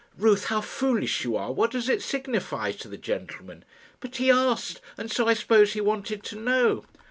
"Ruth, how foolish you are! What does it signify to the gentleman?" "But he asked, and so I supposed he wanted to know."